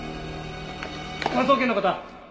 科捜研の方！